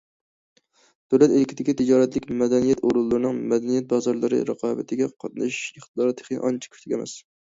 دۆلەت ئىلكىدىكى تىجارەتلىك مەدەنىيەت ئورۇنلىرىنىڭ مەدەنىيەت بازارلىرى رىقابىتىگە قاتنىشىش ئىقتىدارى تېخى ئانچە كۈچلۈك ئەمەس.